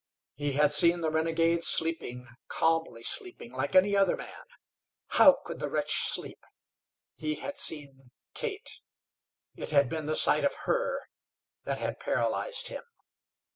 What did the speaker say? He had seen the renegade sleeping, calmly sleeping like any other man. How could the wretch sleep! He had seen Kate. It had been the sight of her that had paralyzed him.